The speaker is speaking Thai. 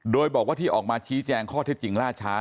โดยบอกว่าที่ออกมาชี้แจงข้อเท็จจริงล่าช้า